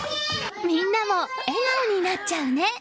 みんなも笑顔になっちゃうね。